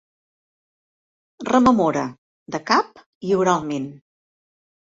Rememora, de cap i oralment.